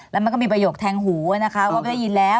แล้วมันก็มีประโยคแทงหูนะคะว่าไม่ได้ยินแล้ว